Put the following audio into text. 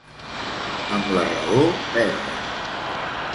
Amb la raó, perden.